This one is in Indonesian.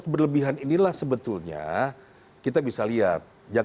terima kasih pak ralan